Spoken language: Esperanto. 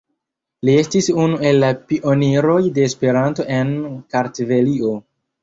Li estis unu el la pioniroj de Esperanto en Kartvelio.